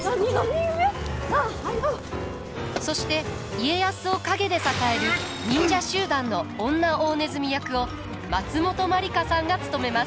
そして家康を陰で支える忍者集団の女大鼠役を松本まりかさんが務めます。